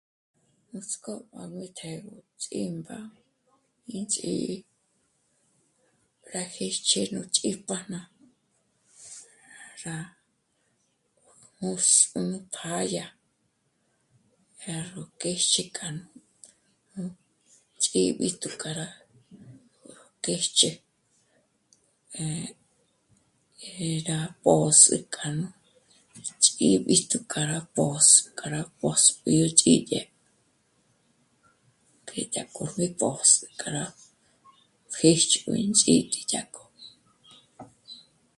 Núts'k'ó má'b'ü té'b'ü chjímba ínch'ǐ'i, rá jích'i nú ts'íjpájna, rá... mûs'u nú pá'a yá... yá ró kjèzhe k'anú nú... ch'íb'íjtu k'a rá... kéjch'e. Eh..., eh... rá pôs'ü k'a nú... nú ch'íb'íjtu k'a rá pôs'ü k'a rá pôs'pjü rú ch'í'idyé, k'e yá k'or ndé pôs'ü k'a rá pjíx... k'ó ínch'ǐti dyájk'o